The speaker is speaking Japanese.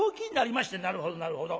「なるほどなるほど。